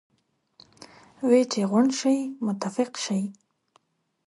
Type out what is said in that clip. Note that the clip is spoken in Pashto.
وې چې غونډ شئ متفق شئ.